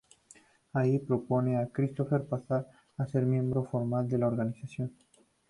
Allí propone a Christopher pasar a ser miembro formal de la organización.